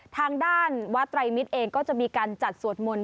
ทางด้านวัดไตรมิตรเองก็จะมีการจัดสวดมนต์